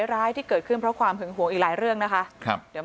ร้ายที่เกิดขึ้นเพราะความหึงหวงอีกหลายเรื่องนะคะครับเดี๋ยว